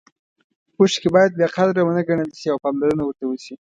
اوښکې باید بې قدره ونه ګڼل شي او پاملرنه ورته وشي.